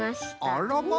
あらま！